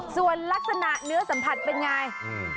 ส่วนลักษณะเนื้อสัมผัสเป็นไง